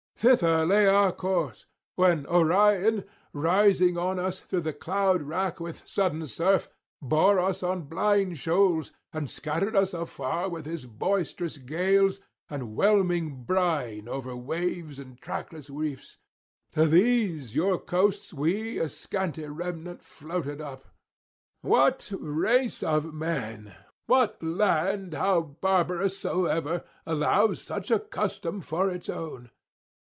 Thither lay our course ... when Orion rising on us through the cloudrack with sudden surf bore us on blind shoals, and scattered us afar with his boisterous gales and whelming brine over waves and trackless reefs. To these your coasts we a scanty remnant floated up. What race of men, what land how barbarous soever, allows such a custom for its own?